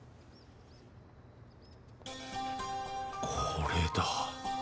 これだ。